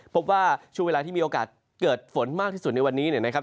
พบว่าช่วงเวลาที่มีโอกาสเกิดฝนมากที่สุดในวันนี้เนี่ยนะครับ